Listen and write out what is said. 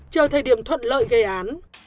chờ thời điểm thuận lợi gây án